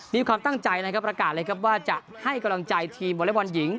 มีความตั้งใจนะครับประกาศเลยครับว่าจะให้กำลังใจทีมวอเล็กบอลหญิง